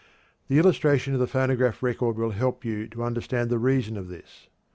The illustration of the phonograph record will help you to understand the reason of this.